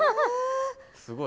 すごい。